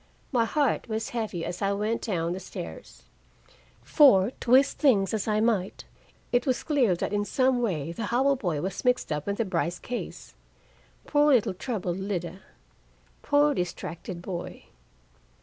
My heart was heavy as I went down the stairs. For, twist things as I might, it was clear that in some way the Howell boy was mixed up in the Brice case. Poor little troubled Lida! Poor distracted boy!